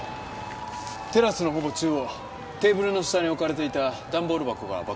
テラスのほぼ中央テーブルの下に置かれていた段ボール箱が爆発したそうです。